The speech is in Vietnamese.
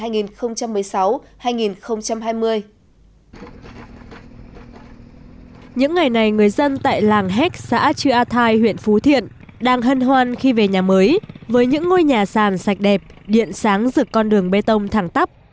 những ngày này người dân tại làng héc xã chư a thai huyện phú thiện đang hân hoan khi về nhà mới với những ngôi nhà sàn sạch đẹp điện sáng rực con đường bê tông thẳng tắp